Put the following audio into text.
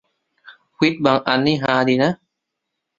ควิซบางอันนี่ฮาดีนะ